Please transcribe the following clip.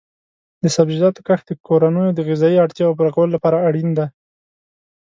د سبزیجاتو کښت د کورنیو د غذایي اړتیاو پوره کولو لپاره اړین دی.